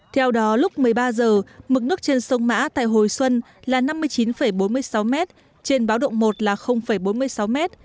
theo đó lúc một mươi ba h mực nước trên sông mã tại hồi xuân là năm mươi chín bốn mươi sáu m trên báo động một là bốn mươi sáu m